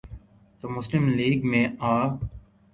تو مسلم لیگ میں آ۔